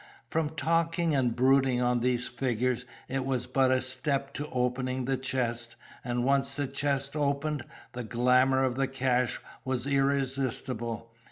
From talking and brooding on these figures, it was but a step to opening the chest; and once the chest open, the glamour of the cash was irresistible.